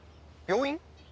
病院？